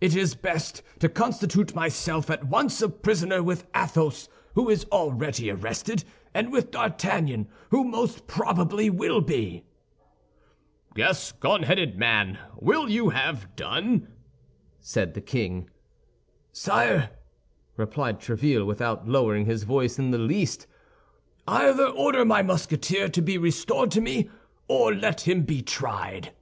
It is best to constitute myself at once a prisoner with Athos, who is already arrested, and with D'Artagnan, who most probably will be." "Gascon headed man, will you have done?" said the king. "Sire," replied Tréville, without lowering his voice in the least, "either order my Musketeer to be restored to me, or let him be tried."